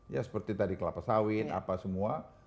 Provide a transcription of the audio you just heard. ya seperti tadi kelapa sawit apa semua